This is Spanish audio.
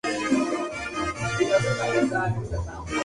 Myers posee una runa de "Mal" grabada en su brazo.